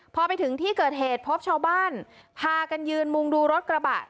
พอไปถึงที่เกิดเหตุพบชาวบ้านพากันยืนมุงดูรถกระบะ